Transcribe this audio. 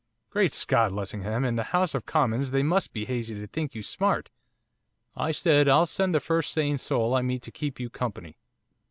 Great Scott, Lessingham, in the House of Commons they must be hazy to think you smart! I said, "I'll send the first sane soul I meet to keep you company."